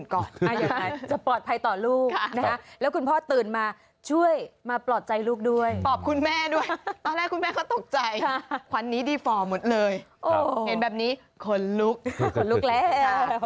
ก็จะปลอดภัยต่อลูกนะครับแล้วคุณพ่อตื่นมาช่วยมาปลอดใจลูกด้วยตอบคุณแม่ด้วยตอนแรกคุณแม่เขาตกใจควันนี้ดีฟอร์หมดเลยเห็นแบบนี้คนลุกคนลุกแล้ว